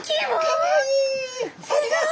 かわいい。